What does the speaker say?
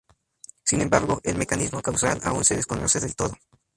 Sin embargo, el mecanismo causal aún se desconoce del todo.